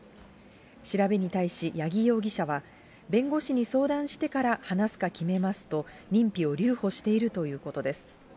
調べに対し、八木容疑者は、弁護士に相談してから話すか決めますと、認否を留保しているということです。